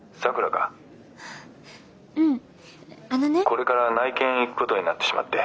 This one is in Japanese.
これから内見行くことになってしまって。